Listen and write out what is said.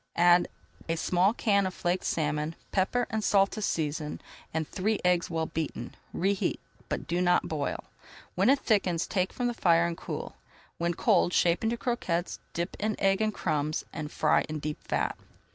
Add a small can of flaked salmon, pepper and salt to season, and three eggs well beaten. Reheat, but do not boil. When it thickens, take from the fire, and cool. When cold, shape into croquettes, dip in egg and crumbs, and fry in deep fat.